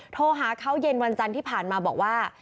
โทรหาเขาเย็นวันจันทร์ที่ผ่านมาบอกว่า